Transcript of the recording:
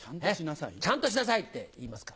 ちゃんとしなさいって言いますから。